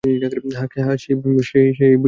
হ্যাঁ সেই বোঝাপড়া আমি করব।